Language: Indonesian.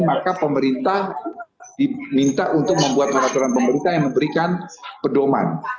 maka pemerintah diminta untuk membuat peraturan pemerintah yang memberikan pedoman